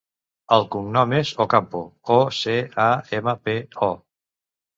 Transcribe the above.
El cognom és Ocampo: o, ce, a, ema, pe, o.